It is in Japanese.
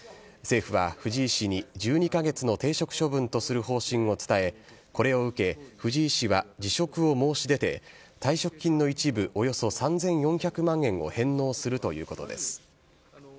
政府は藤井氏に１２か月の停職処分とする方針を伝え、これを受け、藤井氏は辞職を申し出て、退職金の一部およそ３４００万円を返納するということです。